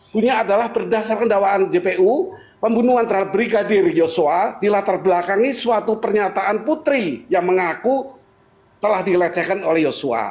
punya adalah berdasarkan dakwaan jpu pembunuhan terhadap brigadir yosua dilatar belakangi suatu pernyataan putri yang mengaku telah dilecehkan oleh yosua